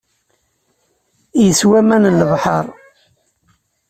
Yeswa aman n lebḥeṛ.